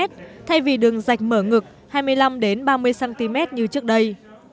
thay vì đường dạch mở ngực hai mươi năm ba mươi cm như trước đây